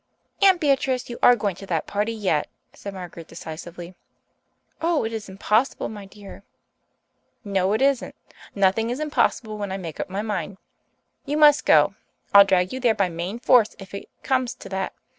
"Aunt Beatrice, you are going to that party yet," said Margaret decisively. "Oh, it is impossible, my dear." "No, it isn't. Nothing is impossible when I make up my mind. You must go. I'll drag you there by main force if it comes to that.